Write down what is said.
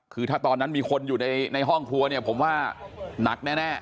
คือถ้าตอนนั้นมีคนอยู่ในห้องครัวเนี่ยผมว่าหนักแน่